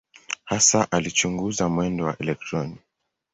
Hasa alichunguza mwendo wa elektroni.